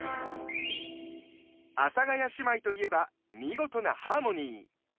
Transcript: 阿佐ヶ谷姉妹といえば見事なハーモニー。